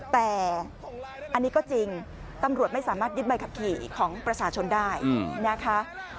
แต่อันนี้ก็จริงตำรวจไม่สามารถยึดใบขับขี่ของประชาชนได้นะคะ